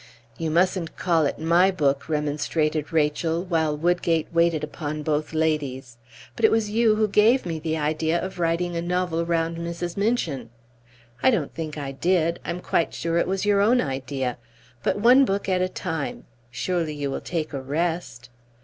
"You mustn't call it my book," remonstrated Rachel, while Woodgate waited upon both ladies. "But it was you who gave me the idea of writing a novel round Mrs. Minchin." "I don't think I did. I am quite sure it was your own idea. But one book at a time. Surely you will take a rest?"